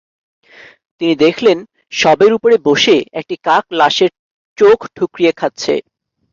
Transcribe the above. তিনি দেখলেন শবের উপরে বসে একটি কাক লাশের চোখ ঠুকরিয়ে খাচ্ছে।